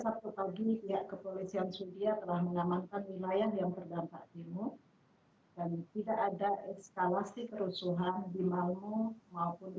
setiap sabtu pagi kepolisian sudia telah mengamankan wilayah yang berdampak timur dan tidak ada eskalasi kerusuhan di malmo maupun di kbri